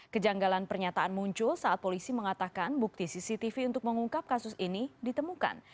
kejanggalan pernyataan muncul saat polisi mengatakan bukti cctv untuk mengungkap kasus ini ditemukan